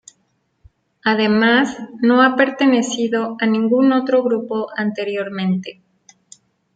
Además, no ha pertenecido a ningún otro grupo anteriormente.